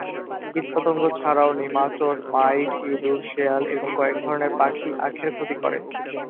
কীটপতঙ্গ ছাড়াও nematode, mite, ইঁদুর, শিয়াল এবং কয়েক ধরনের পাখি আখের ক্ষতি করে।